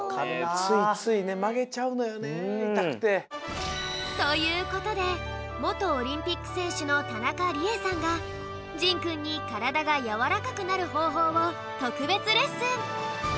ついついねまげちゃうのよねいたくて。ということでもとオリンピックせんしゅの田中理恵さんがじんくんにからだがやわらかくなるほうほうをとくべつレッスン！